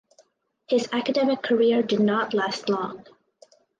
His academic career did not last long.